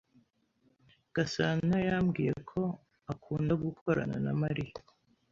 Gasanayambwiye ko akunda gukorana na Mariya.